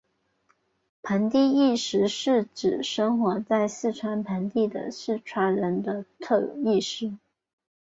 盆地意识是指生活在四川盆地的四川人的特有意识。